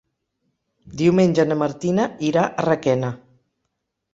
Diumenge na Martina irà a Requena.